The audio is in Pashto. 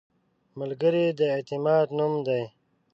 ملګری د اعتماد نوم دی